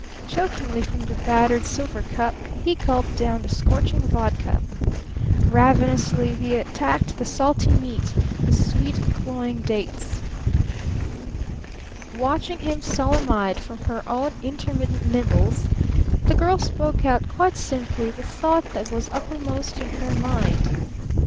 Chokingly from the battered silver cup he gulped down the scorching vodka. Ravenously he attacked the salty meat, the sweet, cloying dates. Watching him solemn eyed above her own intermittent nibbles, the girl spoke out quite simply the thought that was uppermost in her mind.